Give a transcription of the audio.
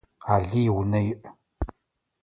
Алый унэ иӏ.